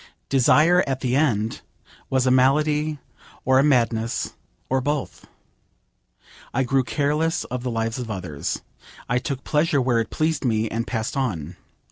Desire, at the end, was a malady, or a madness, or both. I grew careless of the lives of others. I took pleasure where it pleased me, and passed on.